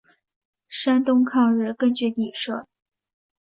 山东抗日根据地设。